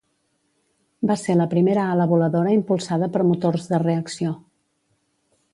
Va ser la primera ala voladora impulsada per motors de reacció.